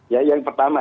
ya yang pertama